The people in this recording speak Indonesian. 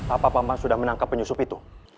apa pak bambang sudah menangkap penyusup itu